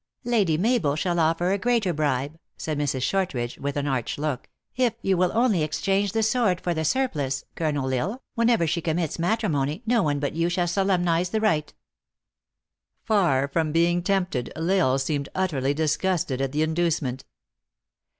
" Lady Mabel shall offer a greater bribe," said Mrs. Shortridge, with an arch look. " If you will only ex , change the sword for the surplice, Colonel L Isle, THE ACTRESS IN HIGH LIFE. 249 whenever she commits matrimony, no one but you shall solemnize the rite." Far from being tempted, L Isle seemed utterly dis gusted at the inducement.